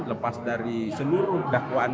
lepas dari seluruh dakwaan